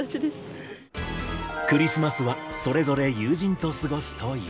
クリスマスはそれぞれ、友人と過ごすという。